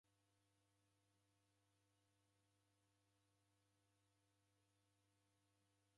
Mghosi wa lughongo ow'oneka makosa kotinyi.